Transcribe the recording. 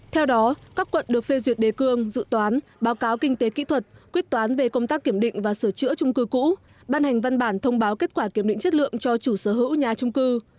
theo đó các quận được phê duyệt đề cương dự toán báo cáo kinh tế kỹ thuật quyết toán về công tác kiểm định và sửa chữa trung cư cũ ban hành văn bản thông báo kết quả kiểm định chất lượng cho chủ sở hữu nhà trung cư